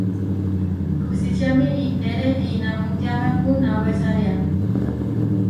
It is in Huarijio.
Kuhsíčiami ineré inamútiámepu nawésaria.